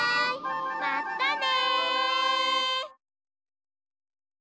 まったね！